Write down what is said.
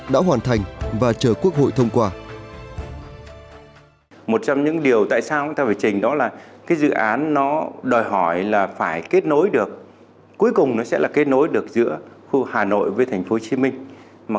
đã hoàn thành và chờ quốc hội thông qua